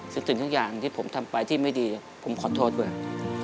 สิ่งทุกอย่างที่ผมทำไปที่ไม่ดีผมขอโทษด้วย